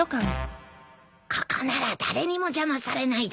ここなら誰にも邪魔されないだろう？